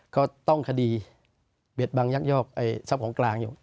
ก็ต้องคดีเบียดบังยักยอกทรัพย์ของกลางอยู่